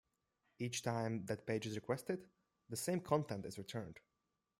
Each time that page is requested, the same content is returned.